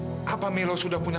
dalam rigor martr separuh kurangnya